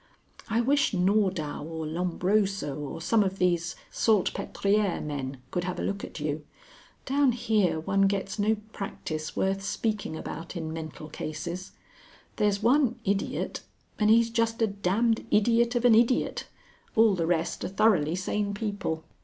I wish Nordau or Lombroso or some of these Saltpetriere men could have a look at you. Down here one gets no practice worth speaking about in mental cases. There's one idiot and he's just a damned idiot of an idiot ; all the rest are thoroughly sane people."